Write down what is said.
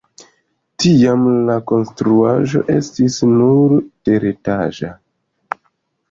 Tiam la konstruaĵo estis nur teretaĝa.